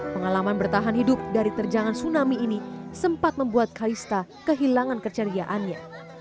pengalaman bertahan hidup dari terjangan tsunami ini sempat membuat kaista kehilangan keceriaannya